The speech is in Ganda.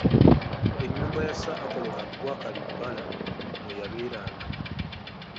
Ennyumba ya Sir Apollo Kaggwa Kalibbala mwe yabeeranga.